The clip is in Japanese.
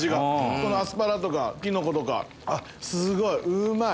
このアスパラとかキノコとかあっすごいうまい。